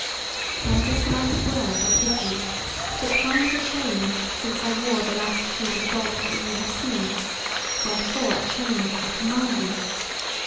Now this last word I give you, that times are changed since I wore the last shape of God that ye have seen, wherefore a change I command you.